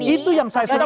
itu yang saya suka